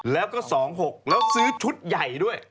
แล้วก็๒๖แล้วซื้อชุดใหญ่ด้วย